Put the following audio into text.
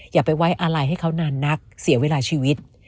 อย่าไปไว้อะไรให้เขานานนักเสียเวลาชีวิต